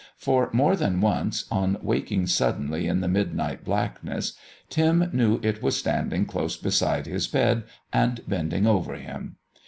For, more than once, on waking suddenly in the midnight blackness, Tim knew it was standing close beside his bed and bending over him.